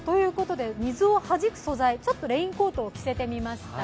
水をはじく素材、ちょっとレインコートを着せてみました。